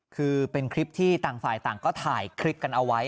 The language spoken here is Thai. คือเป็นคลิปที่ต่างฝ่ายต่างก็ถ่ายคลิปกันเอาไว้